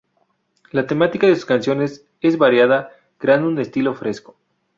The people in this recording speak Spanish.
La temática de sus canciones es variada, creando un estilo fresco.